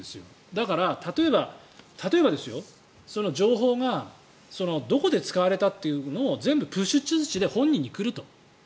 だから、例えばですよ情報がどこで使われたというのを全部プッシュ通知で本人に来ると。